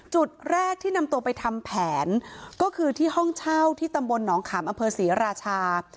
จุดแรกที่นำตัวไปทำแผนก็คือที่ห้องเช่าที่ตำบลหนองขามอำเภอศรีราชา